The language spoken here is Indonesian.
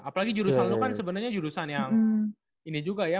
apalagi jurusan itu kan sebenarnya jurusan yang ini juga ya